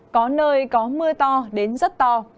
có nơi có mưa to đến rất to